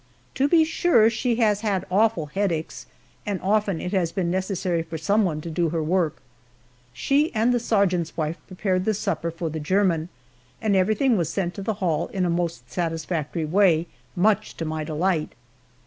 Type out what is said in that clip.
To be sure she has had awful headaches, and often it has been necessary for some one to do her work. She and the sergeant's wife prepared the supper for the german, and everything was sent to the hall in a most satisfactory way much to my delight.